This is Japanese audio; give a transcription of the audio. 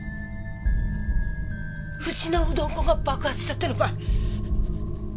うちのうどん粉が爆発したってのかい？